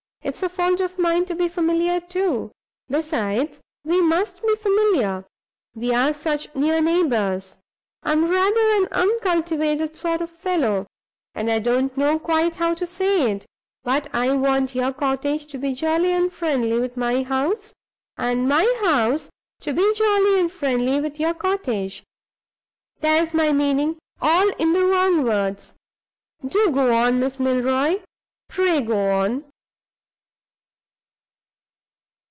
"It's a fault of mine to be familiar, too. Besides, we must be familiar; we are such near neighbors. I'm rather an uncultivated sort of fellow, and I don't know quite how to say it; but I want your cottage to be jolly and friendly with my house, and my house to be jolly and friendly with your cottage. There's my meaning, all in the wrong words. Do go on, Miss Milroy; pray go on!"